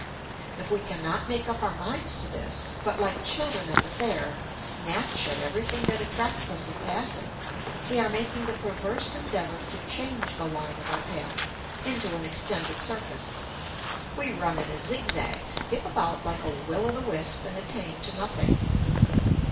If we cannot make up our minds to this, but, like children at the fair, snatch at everything that attracts us in passing, we are making the perverse endeavour to change the line of our path into an extended surface; we run in a zigzag, skip about like a will o' the wisp, and attain to nothing.